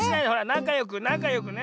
なかよくなかよくね。